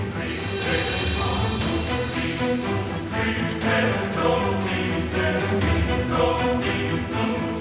laksanakan tugasmu dengan baik tanjur agung